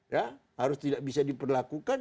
ya harus tidak bisa diperlakukan